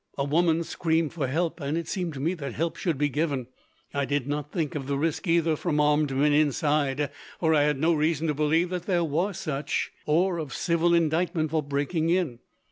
A woman screamed for help, and it seemed to me that help should be given. I did not think of the risk, either from armed men inside for I had no reason to believe that there were such or of civil indictment for breaking in.